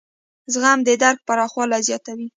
زغم د درک پراخوالی زیاتوي.